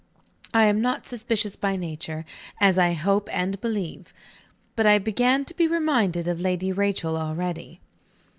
I am not suspicious by nature, as I hope and believe. But I began to be reminded of Lady Rachel already.